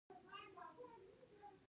ازادي راډیو د سوله د تحول لړۍ تعقیب کړې.